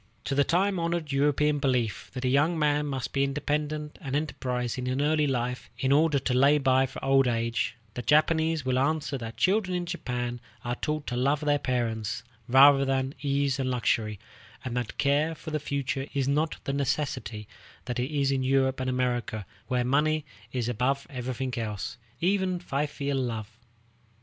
To the time honored European belief, that a young man must be independent and enterprising in early life in order to lay by for old age, the Japanese will answer that children in Japan are taught to love their parents rather than ease and luxury, and that care for the future is not the necessity that it is in Europe and America, where money is above everything else, even filial love.